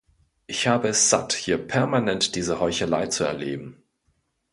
Ich habe es satt, hier permanent diese Heuchelei zu erleben.